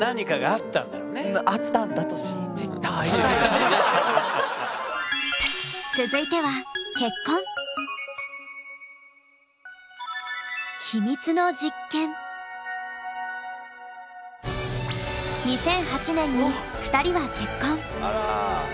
あったんだと続いては２００８年に２人は結婚。